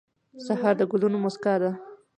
سهار د ګلونو موسکا ده.